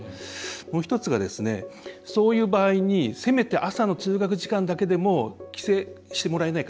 もう１つが、そういう場合にせめて、朝の通学時間だけでも規制してもらえないか。